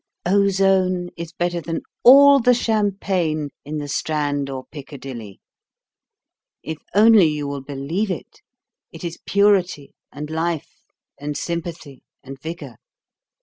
Ozone is better than all the champagne in the Strand or Piccadilly. If only you will believe it, it is purity and life and sympathy and vigour.